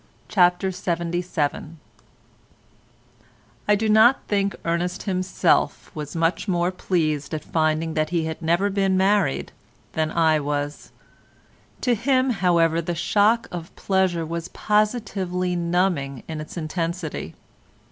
CHAPTER LXXVII I do not think Ernest himself was much more pleased at finding that he had never been married than I was. To him, however, the shock of pleasure was positively numbing in its intensity.